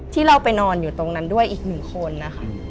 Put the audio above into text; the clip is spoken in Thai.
ที่เราไปนอนอยู่ตรงนั้นด้วยอีกหนึ่งคนนะคะ